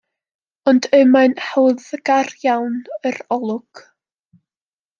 Ond y mae'n hawddgar iawn yr olwg.